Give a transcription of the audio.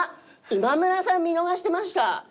今村さん見逃してました。